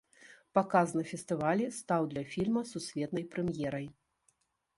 Паказ на фестывалі стаў для фільма сусветнай прэм'ерай.